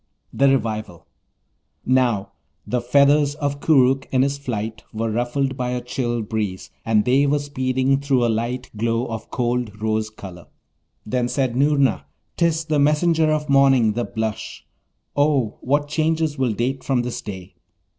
THE REVIVAL Now, the feathers of Koorookh in his flight were ruffled by a chill breeze, and they were speeding through a light glow of cold rose colour. Then said Noorna, ''Tis the messenger of morning, the blush. Oh, what changes will date from this day!'